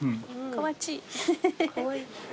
かわちい。